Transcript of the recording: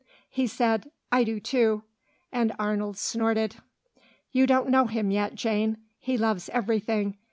He said, "I do too," and Arnold snorted. "You don't know him yet, Jane. He loves everything.